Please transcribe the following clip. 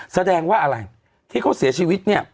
แสดงว่าอะไรที่เขาเสียชีวิตเนี่ย